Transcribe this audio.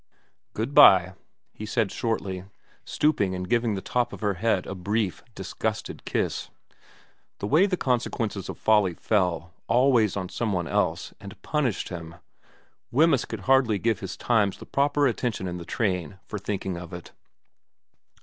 ' Good bye,' he said shortly, stooping and giving the top of her head a brief, disgusted kiss. The way the consequences of folly fell always on somebody else and punished him ... Wemyss could hardly give his Times the proper attention in the train for thinking of it.